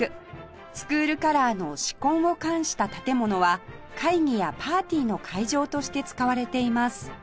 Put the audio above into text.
スクールカラーの紫紺を冠した建物は会議やパーティーの会場として使われています